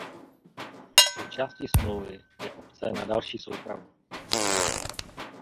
Součástí smlouvy je opce na další soupravu.